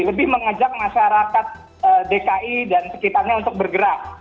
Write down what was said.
lebih mengajak masyarakat dki dan sekitarnya untuk bergerak